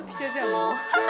もう。